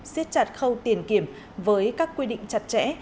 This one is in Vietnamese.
xiết chặt khâu tiền kiểm với các quy định chặt chẽ